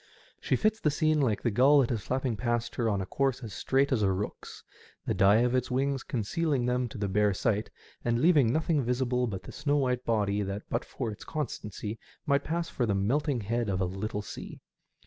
She fits the scene like the gull that is flapping past her on a course as straight as a rook*s, the dye of its wings concealing them to the bare sight, and leaving nothing visible but the snow wliite body that but for its constancy might pass for the melting head of a little sea.